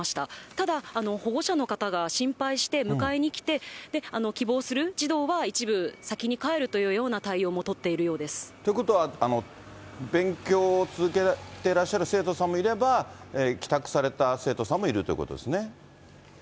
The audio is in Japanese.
ただ、保護者の方が心配して迎えに来て、希望する児童は一部、先に帰るというような対応も取っているようです。ということは、勉強を続けてらっしゃる生徒さんもいれば、帰宅された生徒さんもいるということですね。